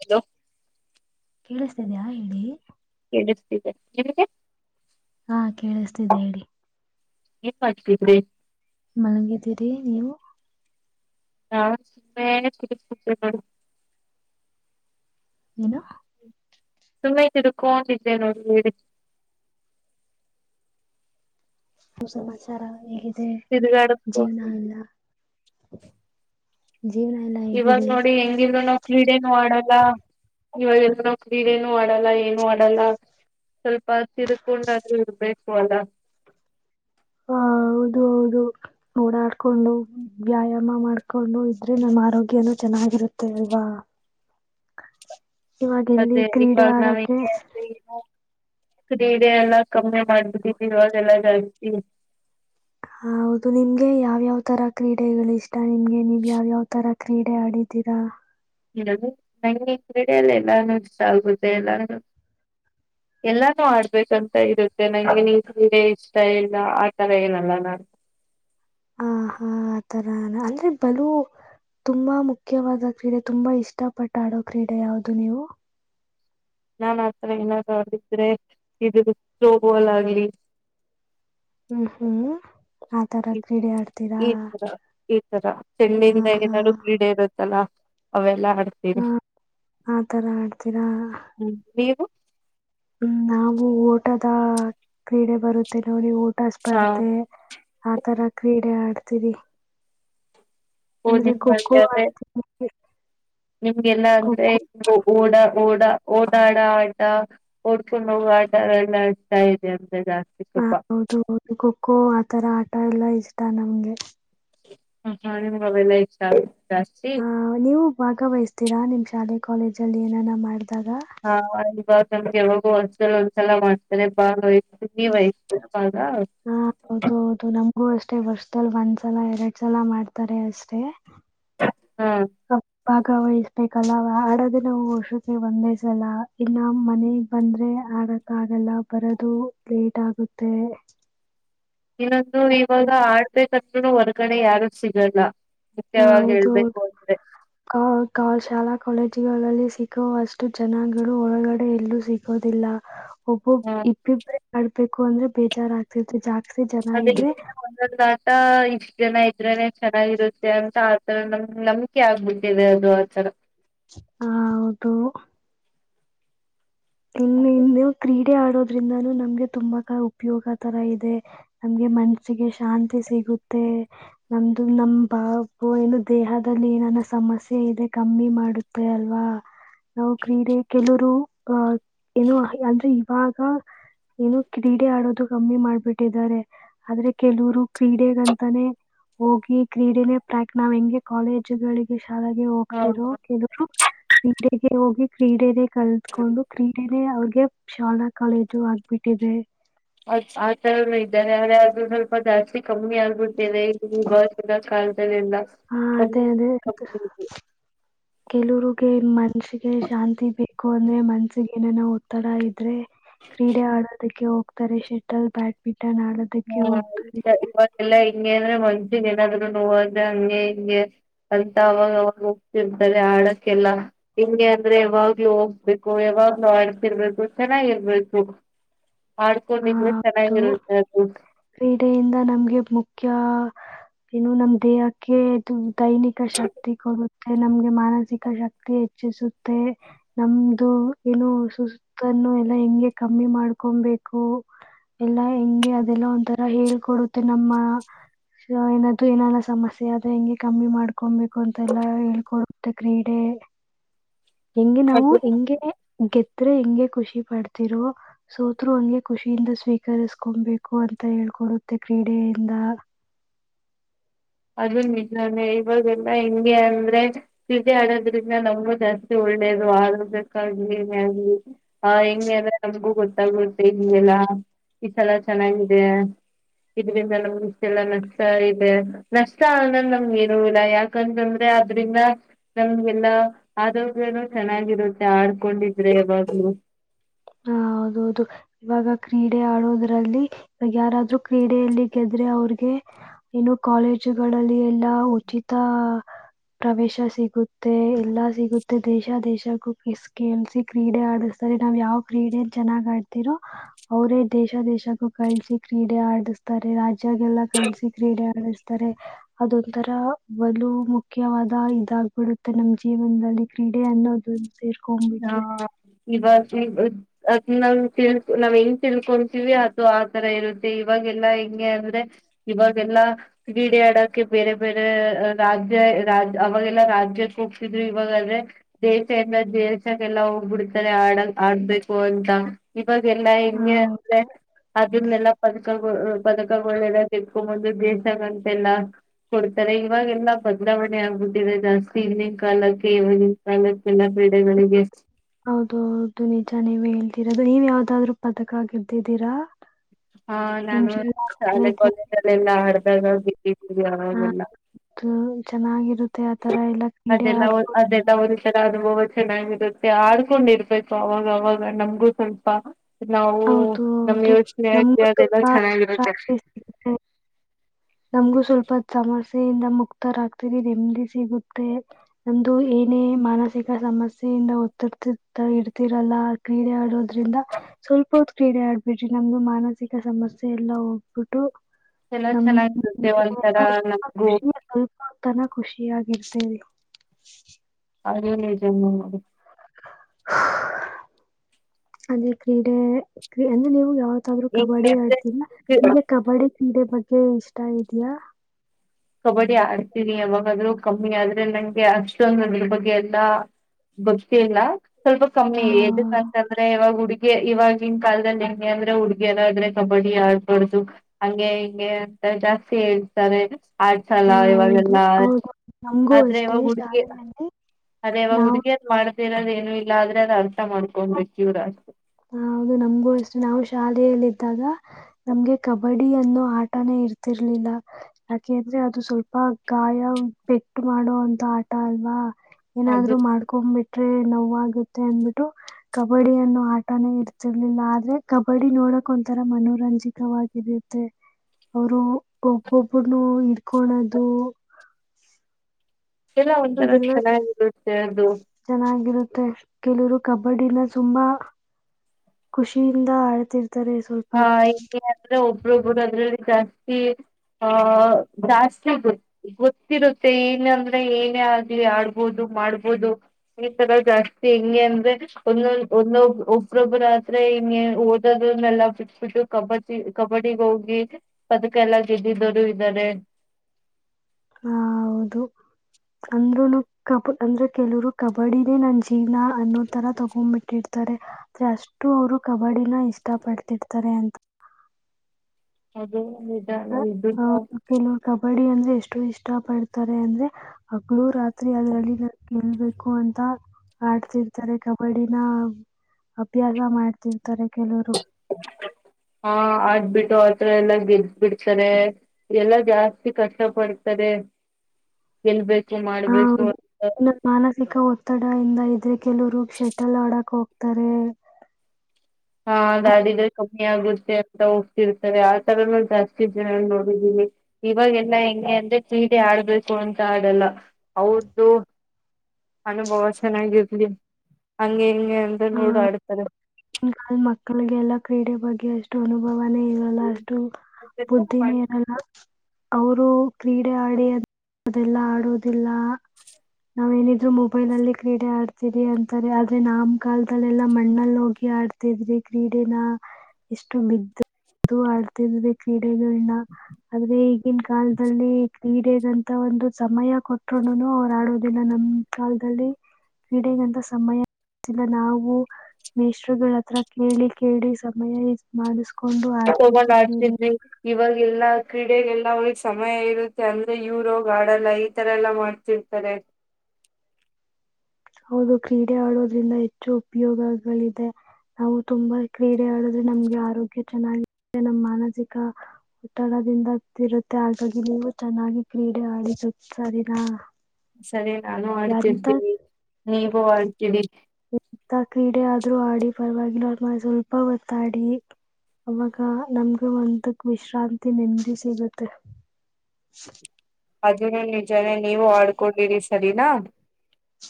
Hello ಕೇಳಿಸತಿದ್ಯಾ ಹೇಳಿ. ಎಸ್ತ ಎಲ್ಲಿಗೆ ಹಾ ಕೇಳಿಸ್ತಿದೆ ಹೇಳಿ ಏನ್ ಮಾಡ್ತಿದ್ರಿ. ಮಲಂಗಿದ್ದೀರಿ ನೀವು [unintelligible] ಏನು ಸುಮ್ಮತ ಕೊಂಡಿದ್ದೆ ನೋಡಿ ಹೇಳ ಹು ಸಮಾಚಾರ ಸಿರಿಗಾಡದುಕ ಹ ಇವಾಗ ನೋಡಿ ಹೆಂಗಿದ್ರು ನಾವ್ ಕ್ರೀಡೆನು ಮಾಡಲ್ಲ ಇವಾಗ ಎಲ್ಲ ನಾವ ಕ್ರೀಡೆನು ಆಡಲ್ಲ ಏನು ಆಡಲ್ಲ ಸ್ವಲ್ಪ ಸಿರುಕೊಂಡ್ ಅದು ಇರ್ಬೇಕು [unintelligible] ಹ ಹೌದು ಹೌದು ಓಡಾಡ್ಕೊಂಡು ವ್ಯಾಯಾಮ ಮಾಡ್ಕೊಂಡು ಇದ್ರೆ ನಮ್ಮ ಆರೋಗ್ಯನೂ ಚೆನ್ನಾಗಿರುತ್ತೆ ಅಲ್ವಾ ಇವಾಗ ಎಲ್ಲಿ ಅದೇ ಕ್ರೀಡೆ ಈವಾಗ ಆಡೋಕೆ ನಮ್ಗೆ ಅಂತ ಏನು ಕ್ರೀಡೆ ಎಲ್ಲಾ ಕಮ್ಮಿ ಮಾಡ್ಬಿದ್ದಿದ್ದಿ ಇವಾಗೆಲ್ಲ ಸರಿ ಹೌದು ನಿಮ್ಗೆ ಯಾವ್ಯಾವ್ ತರ ಕ್ರೀಡೆಗಳಿಷ್ಟ. ನಿಮಗೆ ನೀವ್ ಯಾವಯಾವ ತರ ಕ್ರೀಡೆ ಆಡಿದ್ದೀರ ನಂಗೆನ್ ಕ್ರೀಡೆೆಯಲ್ಲಿ ಎಲ್ಲಾನು ಇಷ್ಟ ಆಗ್ಗುತ್ತೆ ಎಲ್ಲಾನು ಎಲ್ಲಾನು ಆಡ್ಬೇಕಂತ ಇರುತ್ತೆ ನಂಗೆ ನೀನ್ ಕ್ರೀಡೆ ಇಷ್ಟ ಇಲ್ಲ ಆತರ ಏನಲ್ಲ ನಾನು. ಆ ಹಾ ಆ ತರ ಅಂದ್ರೆ ಬಲು ತುಂಬಾ ಮುಖ್ಯವಾದ ಕ್ರೀಡೆ ತುಂಬಾ ಇಷ್ಟಪಟ್ಟ ಆಡೋ ಕ್ರೀಡೆ ಯಾವುದು ನೀವು. ನಾನ್ ಆತರ ಏನಾರಡಿದ್ರೆ ಇದು ತ್ರೋ ಬಾಲ್ ಆಗಲಿ ಹ್ಮ ಹ್ಮ ಆತರ ಕ್ರೀಡೆ ಆಡ್ತೀರ ಈತರ ಚೆಂಡೆಯಿಂದ ಏನಾದಾರೂ ಕ್ರೀಡೆ ಇರುತ್ತಲ್ಲ ಅವೆಲ್ಲ ಹಾ ಆತರ ಆಡ್ತೀರ ಹ್ಮ್ ನೀವು ಹ್ಮ್ ನಾವು ಓಟದ ಕ್ರೀಡೆ ಬರುತ್ತೆ ನೋಡಿ ಓಟ ಹಾ ಸ್ಪರ್ಧೆ ಆತರ ಕ್ರೀಡೆ ಆಡ್ತರಿ ಓ ಅಂದ್ರೆ ಖೋ ಖೋ ಆಡ್ತಿವಿ ನಿಮ್ಗೆಲ್ಲ ಅಂದ್ರೆ ಓಡ ಓಡಾ ಓದಾಡ ಆಟ ಓದ್ಕೊಂಡು ಹೋಗೋ ಆಟ ಎಲ್ಲ ಆಡ್ತಾ ಇದೆ ಜಾಸ್ತಿ ಹ ತುಂಬಾ ಹೌದು ಖೋಖೋ ಆತರ ಆಟ ಎಲ್ಲ ಇಷ್ಟ ಇಷ್ಟ ನಮ್ಗೆ ಹ ಹಾ ನಿಮಗೆ ಅವೆಲ್ಲ ಇಷ್ಟ ಜಾಸ್ತಿ ಹಾ ನೀವು ಭಾಗವಹಿಸಸ್ತೀರ ನಿಮ್ ಶಾಲೆಗೆ ಕಾಲೇಜ್ ಅಲ್ಲಿ ಏನಾನಾ ಮಾಡಿ ಹಾ ಹೋಗಿ ಬಂದು ನಮ್ಗೆ ಯಾವಾಗೂ ಹೊಂದ್ಸಲ್ ಒಂದ್ಸಲ ಮಾಡ್ತಾರೆ ಬಾಯ್ತು ನೀವ್ಯ್ತ ಹಾ ಹೌದು ಹೌದು ನಮ್ಗೂ ಅಷ್ಟೇ ವರ್ಷದಲ್ಲಿ ಒಂದು ಸಲ ಎರಡ್ ಸಲ ಮಾಡ್ತಾರೆ ಅಷ್ಟೇ ಹಾ ಭಾಗವಹಿಸ್ಬೇಕಲ್ಲ ಆಡದೆ ನಾವು ವರ್ಷಕ್ಕೆ ಒಂದೇ ಸಲ ಇನ್ನ ಮನೆಗ್ ಬಂದ್ರೆ ಆಡಕ್ ಆಗಲ್ಲ ಬರೋದು ಲೇಟ್ ಆಗುತ್ತೆ ಇನ್ನೊಂದು ಆ, ಇವಾಗ ಆಡ್ಬೇಕ ತ [unintelligible] ಹೊರ್ಗಡೆ ಯಾರು ಸಿಗಲ್ಲ. ಮುಖ್ಯವಾಗಿ ಹೇಳ್ಬೇಕು ಅಂದ್ರೆ ಕ ಶಾಲಾ ಕಾಲೇಜುಗಳಲ್ಲಿ ಸಿಕ್ಕುವ ಅಷ್ಟು ಜನಗಳು ಒಳಗಡೆ ಎಲ್ಲೂ ಸಿಗೋದಿಲ್ಲ ಒಬ್ಬೊಬ್ಬ್ ಹಾ ಇಬ್ಬಿಬ್ [unintelligible] ಬೇಕು ಅಂದ್ರೆ ಬೇಜಾರ್ ಆಗ್ತಿದೆ ಜಾ ಅ [unintelligible] ಒಂದ್ ಒಂದ್ ಆಟ ಇ [unintelligible] ಜನ ಇದ್ರೆನೆ ಚೆನ್ನಾಗಿರುತ್ತೆ ಅಂತ ಆತರ ನಮ್ ನಂಬಿಕೆ ಆಗ್ಬಿಟ್ಟಿದೆ ಅದು ಆತರ. ಹ ಹೌದು. ಇನ್ನು ಇನ್ನೀವ್ ಕ್ರೀಡೆ ಆಡೋದು ಅದ್ರಿಂದಾನು ನಮ್ಗೆ ತುಂಬಾ ಕ ಉಪಯೋಗ ತರ ಇದೆ. ನಮ್ಗೆ ಮನ್ಸಿಗೆ ಶಾಂತಿ ಸಿಗುತ್ತೆ, ನಮ್ದು ನಮ್ ಬಾ ಏನು ದೇಹದಲ್ಲಿ ಏನಾನ ಸಮಸ್ಯೆ ಇದೆ ಕಮ್ಮಿ ಮಾಡುತ್ತೆ ಅಲ್ವಾ? ನಾವು ಕ್ರೀಡೆ ಕೆಲವರು ಅಹ [unintelligible] ಏನು ಅಂದ್ರೆ ಇವಾಗ ಏನು ಕ್ರೀಡೆ ಆಡೋದು ಕಮ್ಮಿ ಮಾಡ್ಬಿಟ್ಟಿದ್ದಾರೆ. ಆದ್ರೆ ಕೆಲವರು ಕ್ರೀಡೆಗಂತಾನೇ ಹೋಗಿ ಕ್ರೀಡೆನೇ ಪ್ರ್ಯಾಕ್ ನಾವ್ ಹೆಂಗೆ ಕಾಲೇಜುಗಳಿಗೆ ಶಾಲೆಗೆ ಹಾ ಹೋಗ್ತಿರೋ, ಕೆಲವ್ರು ಕ್ರೀಡೆಗೆ ಹೋಗಿ ಕ್ರೀಡೆದೆ ಕಲ್ [unintelligible] ತ್ಕೊಂಡು [unintelligible] ಕ್ರೀಡೆನೆ ಅವ್ರಿಗೆ ಶಾಲಾ ಕಾಲೇಜು ಆಗ್ಬಿಟ್ಟಿದೆ. ಹೌದ್ ಆಥರನೂ ಇದ್ದಾರೆ. ಆದ್ರೆ ಅದು ಸ್ವಲ್ಪ ಜಾಸ್ತಿ ಕಮ್ಮಿ ಆಗ್ಬ [unintelligible] ಿನ ಕದಿಂದ ಆ [unintelligible] ಕೆಲವ್ರುಗೆ ಮನ್ಸಿಗೆ ಶಾಂತಿ ಬೇಕು ಅಂದ್ರೆ ಮನ್ಸಿಗೆ ಏನನೋ ಒತ್ತಡ ಇದ್ರೆ ಕ್ರೀಡೆ ಆಡೋದಕ್ಕೆ ಹೋಗ ಹೋಗ್ತಾರೆ ಶಟಲ್ ಬ್ಯಾಡ್ಮಿಂಟ ಹ್ಮ, ಈಗ ಇವಾಗೆಲ್ಲ ಐ [unintelligible] ಹೆಂಗೆ ಅಂದ್ರೆ ಮನ್ಸಿಗ್ ಏನಾದ್ರು ನೋವಾದ್ರೆ ಹಂಗೆ ಹಿಂಗೆ ಅಂತ ಅವಾಗ ಅವಾಗ ಹೋಗ್ತಿರ್ತಾರೆ ಆಡಕ್ಕೆಲ್ಲ. ಹಿಂಗೆ ಅಂದ್ರೆ ಯಾವಾಗ್ಲೂ ಹೋಗ್ಬೇಕು ಯಾವಾಗ್ಲೂ ಆಡ್ತಿರ್ಬೇಕು ಚೆನ್ನಾಗಿರ್ಬೇಕು. ಆ ಆಡ್ಕೊಂಡಿದ ಅದು ಚೆನ್ನಾಗಿರು [unintelligible] ಕ್ರೀಡೆಯಿಂದ ನಮ್ಗೆ ಮುಖ್ಯ [unintelligible] ಇನ್ನೂ ನಮ್ ದೇಹಕ್ಕೆ ಅದು ದೈನಿಕ ಶಕ್ತಿ ಕೊಡುತ್ [unintelligible] ನಮ್ಗೆ ಮಾನಸಿಕ ಶಕ್ತಿ ಹೆಚ್ಚಿಸುತ್ತೆ. ನಮ್ದು ಏನು ಸುಸ್ತನ್ನು ಎಲ್ಲ ಹೆಂಗೆ ಕಮ್ಮಿ ಮಾಡ್ಕೊಂಬೇಕು ಎಲ್ಲಾ ಹೆಂಗೆ ಅದೆಲ್ಲ ಒಂಥರ ಹೇಳ್ಕೊಡುತ್ತೆ. ನಮ್ಮ ಏನದು ಏನಾನ ಸಮಸ್ಯೆ ಆದ್ರೆ ಹೆಂಗೆ ಕಮ್ಮಿ ಮಾಡ್ಕೊಂಬೇಕು ಅಂತೆಲ್ಲ ಹೇಳ್ಕೊಡುತ್ತೆ ಕ್ರೀಡೆ. ಹೆಂಗೆ ನಾವು ಅದು ಹೆಂಗೆ? ಗೆ [unintelligible] ್ರೆ [unintelligible] ಹೆಂಗೆ ಖುಷಿ ಪಡ್ತಿರೋ ಸೋತ್ರು ಹಂಗೆ ಖುಷಿಯಿಂದ ಸ್ವೀಕರಿಸ್ಕೊಂಬೇಕು ಅಂತ ಹೇಳ್ಕೊಡುತ್ತೆ ಕ್ರೀಡೆಯಿಂದ. ಅದೇನ್ ನಿಜಾನೆ ಇವಾಗೆಲ್ಲಾ ಹೆಂಗೆ ಅಂದ್ರೆ ಕ್ರೀಡೆ ಆಡೋದ್ರಿಂದ ನಮಗೂ ಜಾಸ್ತಿ ಒಳ್ಳೇದು ಆರೋಗ್ಯಕ್ಕಾಗಲಿ ಏನೇ ಆಗ್ಲಿ ನಾವ್ ಹೆಂಗೆ ಅಂದ್ರೆ ನಮಗೂ ಗೊತ್ತಾಗುತ್ತೆ ಹಿಂಗೆಲ್ಲ ಈ ಸಲ ಚೆನ್ನಾಗಿದೆ ಇದರಿಂದ ನಮ್ಗ ಇಷ್ಟೆಲ್ಲಾ ನಷ್ಟ ಇದೆ ನಷ್ಟ ಅನ್ನದ್ ನಮಗೇನೂ ಇಲ್ಲ. ಯಾಕಂತಂದ್ರೆ ಅದ್ರಿಂದ ನಮ್ಗೆಲ್ಲಾ ಆರೋಗ್ಯನೂ ಚೆನ್ನಾಗಿರುತ್ತೆ ಆಡ್ಕೊಂಡಿದ್ರೆ ಯಾವಾಗಲು. ಹ ಹೌದೌದು. ಇವಾಗ ಕ್ರೀಡೆ ಆಡೋದ್ರಲ್ಲಿ ಇವಾಗ ಯಾರಾದ್ರು ಕ್ರೀಡೆಯಲ್ಲಿ ಗೆದ್ರೆ ಅವ್ರಿಗೆ ಇನ್ನು ಕಾಲೇಜುಗಳಲ್ಲಿ ಎಲ್ಲಾ ಉಚಿತ ಪ್ರವೇಶ ಸಿಗುತ್ತೆ, ಎಲ್ಲಾ ಸಿಗುತ್ತೆ ದೇಶ ದೇಶಕ್ಕೂ ಕೇಸ್ಕಿ ಕೇಳ್ಸಿ ಕ್ರೀಡೆ ಆಡಿಸ್ತಾರೆ. ನಾವ್ ಯಾವ್ ಕ್ರೀಡೆ ಚೆನ್ನಾಗ್ ಆಡ್ತಿರೋ ಅವರೇ ದೇಶ ದೇಶಕ್ಕೂ ಕಳ್ಸಿ ಕ್ರೀಡೆ ಆಡಿಸ್ತಾರೆ. ರಾಜ್ಯಗೆಲ್ಲ ಕಳಸಿ ಕ್ರೀಡೆ ಆಡಿಸ್ತಾರೆ. ಅದೊಂಥರ ಬಲು ಮುಖ್ಯವಾದ ಇದಾಗಬಿಡುತ್ತೆ ನಮ್ ಜೀವನದಲ್ಲಿ ಕ್ರೀಡೆ ಅನ್ನೋದು. ಹಾ ಸೇರ್ಕೊಂಡ್ಬಿಟ್ರೆ ಈ [unintelligible] ಬ [unintelligible] ಅದ್ ನಮ್ ತಿಳ್ಕೋ ನಾವ್ ಹೆಂಗ್ ತಿಳ್ಕೊಂತೀವಿ ಅದು ಆತರ ಇರುತ್ತೆ. ಇವಾಗೆಲ್ಲಾ ಹೆಂಗೆ ಅಂದ್ರೆ ಇವಾಗೆಲ್ಲಾ ಕ್ರೀಡೆ ಆಡೋಕ್ಕೆ ಬೇರೆ ಬೇರೆ ರಾಜ್ಯ ರಾಜ ಅವಾಗೆಲ್ಲಾ ರಾಜ್ಯಕ್ಕೆ ಹೋಗ್ತಿದ್ರು ಇವಾಗ ಆದ್ರೆ ದೇಶ ಎಲ್ಲ ಜ [unintelligible] ಾಗ ಎಲ್ಲ ಹೋಗ್ಬಿಡ್ತಾರೆ ಆಡ ಆಡ್ಬೇಕು ಅಂತ ಇವಾಗಲ್ಲಾ ಆ, ಹೆಂಗೆ ಅಂದ್ರೆ ಹೌದು ಅದ್ರನೆೆಲ್ಲ ಪದಕ ಪದಕಗಳೆಲ್ಲ ತೆಕೊಂಬಂದು ದೇಶಗಂತೆಲ್ಲಾ ಕೊಡ್ತಾರೆ ಇವಾಗೆಲ್ಲಾ ಬದಲಾವಣೆ ಆಗ್ಬಿಟ್ಟಿದೆ ಜಾಸ್ತಿ ಇವ್ನಿಂಗ್ ಕಾಲಕ್ಕೆ ಏನಿಂಗ್ ಕಾಲಕ್ಕೆಲ್ಲ ಕ್ರೀಡೆಗಳಿಗೆ ಎಸ್ ಹೌದೌದು ನಿಜ ನೀವ ಹೇಳ್ತಿರದು ನೀವ್ ಯಾವ್ದಾದ್ರು ಪದಕ ಆಗ್ದಿದ್ದೀರಾ ಹಾ ನಾನು ಶಾಲೆ ಕಾಲೇಜಲ್ಲೆಲ್ಲ ಆತ [inaudible] ಹದು ಚೆನ್ನಾಗಿರುತ್ತೆ ಮತ್ತೆ ಆತರ ಎಲ್ಲ ಕೀಡೆ ಆಡ್ ಅದು ಹಬ ಚೆನ್ನಾಗಿರುತ್ತೆ ಆಡ್ಕೊಂಡ್ ಇರ್ಬೇಕು ಅವಾಗ ಅವಾಗ ನಮ್ಗೂ ಸ್ವಲ್ಪ ನಾವು ಹೌದು ನಮ ಹೌದು ಯೋಚನೆ ಆಗ್ಲಿ ನಮಗೂ ಅದೆಲ್ಲ ಸ್ವಲ್ಪ ಚೆನ್ನಾಗಿರುತ್ತೆಷ್ಟ ನಮ್ಗೂ ಸ್ವಲ್ಪ ಸಮರ್್ಯೆ ಸೆಯಿಂದ ಮುಕ್ತರ ಆ್ತರಿ ನೆಮ್ಮದಿ ಸಿಗುತ್ತೆ ನಮ್ದು ಏನೇ ಮಾನಸಿಕ ಸಮಸ್ಯೆಯಿಂದ ಒತ್ತಿಡ್ತಿ ಇರ್ತಿರಲ್ಲ ಕ್ರೀಡೆ ಆಡೋದ್ರಿಂದ ಸ್ವಲ್ಪ ಹೊತ್ ಕ್ರೀಡೆ ಆಡ್ಬಿಟ್ರಿ ನಮ್ದು ಮಾನಸಿಕ ಸಮಸ್ಯೆ ಎಲ್ಲ ಹೋಗ್ಬಿಟ್ಟು ಚಲ ನಮ್ ಚೆನ್ನ ಇತ್ತೆ ಒಥರಾ ನಮಗು ನತನ ಖುಷಿಯಾಗಿರ್ತೇವಿ ಅದು ನಿಜಮ ಅದೇ ಕ್ರೀಡೇ ಕ್ರ್ ಅಂದ್ರೆ ನೀವು ಯಾವ್ ಮತ್ತಾದ್ರೂ ಹೆಂಗೆ ಕಬಡ್ಡಿ ಅಂದ್ರೆ ಆಡ್ತೀವಿ ಕ- ಹಗೆ ಕಬಡ್ಡಿ ಕ್ರಡೆ ಬಗ್ಗೆ ಗೆ ಇಷ್ಟ ಇದಿಯಾ ಕಬಡ್ಡಿ ಆಡ್ತೀನಿ ಯಾವಾಗಾದ್ೂ ಕಮ್ಮಿ ಆದ್ರೆ ನಂಗೆ ಅಷ್ಟೊಂದ ನಿರ್ ಬಗ್ಗೆ ಎಲ್ಲಾ ಭಕ್ತಿ ಇಲ್ಲ ಸ್ವಲ್ಪ ಕಮ್ಮಿ ಎದುಕ್ಕ ಆ ಅಂತಂದ್ರೆ ಇವಾಗ್ ಹುಡುಗ್ ಗೆ ಇವಾಗಿನ್ ಕಾಲ್ದಲ್ಲಿ ಹೆಂಗೆ ಅಂದ್ರೆ ಹುಡ್ಗಿಯರಾದ್ರೆ ಕಬಡ್ಡಿ ಆಡ್ಬಾರ್ದು ಹಂಗೆ ಹಿಂಗೆ ಅಂತ ಜಾಸ್ತಿ ಹೇಳ್ತರೆ ಆರ್ಟ್ಸ್ ಅಲ್ಲ ಹ ಹೌದು ಇವಾಗೆಲ್ಲ ಹೌದು ನಮಗೂ ಆದ್ರೆ ಅಷ್ಟೇ ಇವಾಗ ಹುಡುಗಿರ್ ಶಾಲೆಯಲ್ಲಿ ಇವಾಗ ನಾವು ಹುಡುಗಿಯದ ಮಾಡ್ತಿ ಇರೋದ್ ಏನ್ ಏ ಇಲ್ಲ ಆದ್ರೆ ಅದು ಅರ್ಥ ಮಾಡ್ಕೊಬೇಕು ಇವ್ರ ಅ ಹ ಹೌದು ನಮ್ಗೂ ಅಷ್ಟೇ ನಾವು ಶಾಲೆಯಲಿದ್ದಾಗ ನಮ್ಗೆ ಕಬಡ್ಡಿ ಅನ್ನೋ ಆಟನೇ ಇರ್ತಿರ್ಲಿಲ್ಲ ಯಾಕೆ ಅಂದ್ರೆ ಅದು ಸ್ವಲ್ಪ ಗಾಯ ಪೆಟ್ಟು ಮಾಡೋಂತ ಆಟ ಅಲ್ವಾ ಏನಾದ್ರು ಅದು ಮಾಡ್ಕೊ್ಬಿಟ್ಟ ಟ್ರೇ ನೋವಾಗುತ್ತೆ ಅಂದಬಿಟ್ಟು ಕಬಡ್ಡಿಯನ್ನು ಆ ಆಡ್ ಇರ್ತಿರ್ಲಿಲ್ಲ ಆದ್ರೆ ಕಬಡ್ಡಿ ನೋಡಕ್ ಒಂಥರ ಮನೋರಂಜಿತವಾಗಿರುತ್ತೆ ಅವರು ಒಬ್ಬೊಬ್ಬರನು ಇಡ್ಕೊಳದು ಇಲ್ಲ ಒಥರ ಚೆನ್ನಾಗಿರುತ್ತೆದು ಮತ್ತೆ ಕೆಲವರು ಕಬಡ್ಡಿನ ತುಂಬಾ ಖುಷಿಯಿಂದ ಆಳ್ತಿರ್ ಹಾ ಇಲ್ಲಿ ಅಂದ್ರೆ ಒಬ್ರೊಬ್ಬರು ಅದ್ರಲ್ಲಿ ಜಾಸ್ತಿ ಆಹ ಜಾಸ್ತಿ ಗೊ ಗೊತ್ತಿರುತ್ತೆ ಏನ ಅಂದ್ರೆ ಏನೇ ಆಗ್ಲಿ ಆಡ್ಬೋದು ಮಾಡ್ಬೋದು ಈ ಸರ ಜಾಸ್ತಿ ಹೆಂಗೆ ಅಂದ್ರೆ ಒಂದೊ ಒಂದೊ ಒಬ್ರೊಬ್ಬರಾದ್ರೆ ಹಿಂಗೆ ಓದೋದನ್ನೆಲ್ಲ ಬಿಟ್ಬಿಟ್ಟು ಕಬಡ್ಡಿ ಕಬಡಿಗ್ ಹೋಗಿ ಪದಕ ಎಲ್ಲ ಗೆದ್ದಿದೋರು ಇದಾರೆ ಹ ಹೌದು ಅಂದ್ರುನು ಕಬ ಅಂದ್ರೆ ಕೆಲವರು ಕಬಡ್ಡಿನೇ ನನ್ ಜೀವನ ಅನ್ನೋ ತರ ತಗೊಬಿಟ್ಟಿರ್ತಾರೆ ಆದ್ರೆ ಅಷ್ಟು ಅವರು ಕಬಡ್ಡಿನ ಇಷ್ಟ ಪಡ್ತಿರ್ತಾರೆ ಅಂತ ಹೌದು [unintelligible] ಕೆಲವರು ಕಬಡ್ಡಿ ಅಂದರೆ ಎಷ್ಟು ಇಷ್ಟ ಪಡ್ತಾರೆ ಅಂದ್ರೆ ಹಗ್ಲು ರಾತ್ರಿ ರಿ ಅದರಲ್ಲಿ [unintelligible] ಗೆಲ್ಬೇಕು ಅಂತ ಆಡ್ತಿರ್ತಾರೆ ಕಬಡ್ಡಿನ ಅಭ್ಯಾಸ ಮಾಡ್ತಿರ್ತಾರೆ ಕೆಲವರು ಹಾ ಆಡ್ಬಿಟ್ಟು ಆತ್ರ ಎಲ್ಲ ಗೆದ್ ಬಿಡ್ತಾರೆ ಎಲ್ಲಾ ಜಾಸ್ತಿ ಕಷ್ಟ ಪಡ್ತಾರೆ ಗೆಲ್ಬೇಕ್ ಹ ಹೌದು [unintelligible] ಮಾನಸಿಕ ಒತ್ತಡ ಇಂದ ಇ ಆದ್ರೆ ಕೆಲವರು ಶೆಟ್ಟಲ್ ಆಡಕ್ ಹೋಗ್ತಾರೆ ಹಾ ಅದ್ ಆಡಿದ್ರೆ ಕಮ್ಮಿ ಆಗುತ್ ತೆ ಅಂತ ಹೋಗ್ತಿರ್ತಾರೆ ಆತರೇ ಜಾಸ್ತಿ ಜನ ನೋಡಿದೀವಿ ಇವಾಗೆಲ್ಲ ಹೆಂಗೆ ಅಂದ್ರೆ ಕೀಡೆ ಆಡ್ಬೇಕು ಅಂತ ಆಡಲ್ಲ ಅವ್ರ್ದು ಅನುಭವ ಚೆನ್ನಾಗಿರ್ಲಿ ಹಂಗೆ ಹಿಂಗೆ ಅಂದ್ರೆ [unintelligible] ನೋಡು ಆಡ್ತಾರೆ ಈಗ ಮಕ್ಕಳಿಗೆಲ್ಲಾ ಕ್ರೀಡೆ ಬಗ್ಗೆ ಅಷ್ಟು ಅನುಭವ ನೇ ಇರಲ್ಲ ಅಷ್ಟು ಬುದ್ಧಿನೇ ಇರಲ್ಲ ಅವರು ಕ್ರೀಡೆ ಆಡಿ ಅದೆಲ್ಲಾ ಆಡೋದಿಲ್ಲ ನಾವ್ಏನಿದ್ರು ಮೊಬೈಲ್ ಅಲ್ಲಿ ಕ್ರೀಡೆ ಆಡ್ತೀರಿ ಅಂತಾರೆ ಆದ್ರೆ ನಾಮ್ ಕಾಲದಲ್ಲೆಲ್ಲಾ ಮಣ್ಣಲ್ಲಿ ಹೋಗಿ ಆಡ್ತಿದ್ರಿ ಕ್ರೀಡೆನ ಎಷ್ಟು ಬಿದ್ದು ಆಡ್ತಿದ್ರಿ ಕ್ರೀಡೆಗಳನ್ನ ಆದ್ರೆ ಈಗ್ ಈಗಿನ ಕಾಲ್ದಲ್ಲಿ [unintelligible] ಕ್ರೀಡೆದಂತ ಒಂದು ಸಮಯ ಕೊಟ್ರುನುನೂ ಅವ್ರ್ ಆಡೋದ್ ದಿಲ್ಲ ನಮ್ ಕಾಲದಲ್ಲಿ ಕ್ರೀಡೆಗಂತ ಸಮಯಿಲ್ಲ [unintelligible] ನಾವು ಮೇಷರುಗಳತ್ರ ಕೇಳಿ ಕೇಳಿ ಸಮಯ ಮಾಡಸ್ [unintelligible] ಇವಾಗ ಎಲ್ಲಾ ಕ್ರೀಡೆಗೆಲ್ಲ ಅವ್ರಿಗೆ ಸಮಯ ಇರುತ್ತೆ ಅಂದ್ರೆ ಇವರೋಗ ಆಡಲ್ಲ ಈ ತರ ಎಲ್ಲ ಮಾಡ್ತಿರ್ತಾರೆ ಹೌದು ಕ್ರೀಡೆ ಆಡೋದ್ರಿಂದ ಹೆಚ್ಚು ಉಪಯೋಗಗಳಿದೆ ನಾವು ತುಂಬಾ ಕ್ರೀಡೆ ಆಡಿದ್ರೆ ನಮ್ಗೆ ಆರೋಗ್ಯ ಚೆನ್ನಾಗಿ ನಮ್ ಮಾನಸಿಕ ಒತ್ತಡದಿಂದ ಇರುತ್ತೆ ಹಾಗಾಗಿ ನೀವು ಚೆನ್ನಾಗಿ ಕ್ರೀಡೆ ಆಡಿ [unintelligible] ಸರಿನಾ ಸರಿ ನಾನು ಎಂತ ಆಡ್ತಿರ್ತೀನಿ ನೀವು ಆಡ್ತರಿ ದ್ರು ಆಡಿ ಪರವಾಗಿಲ್ಲ [unintelligible] ಸ್ವಲ್ಪ ಹೊತ್ತಾಡಿ ಅವಾಗ ನಮ್ಗೆ ಒಂದು ವಿಶ್ರಾಂತಿ ನೆಮ್ದಿ ಸಿಗುತ್ತೆ ಅದನ್ನು ನಿಜಾನೇ ನೀವು ಆಡ್ಕೊಂಡಿರಿ ಸರಿನಾ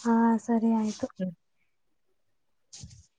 ಹಾ ಸರಿ ಆಯ್ತು [inaudible]